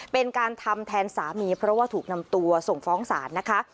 เป็นการทำแทนสามีเพราะว่าถูกนำตัวส่งฟ้องศาลนะคะ